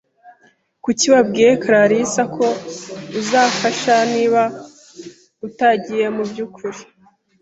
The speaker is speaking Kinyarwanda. Kuki wabwiye karasira ko uzafasha niba utagiye mubyukuri?